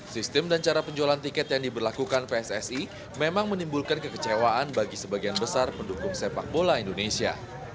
sistem dan cara penjualan tiket yang diberlakukan pssi memang menimbulkan kekecewaan bagi sebagian besar pendukung sepak bola indonesia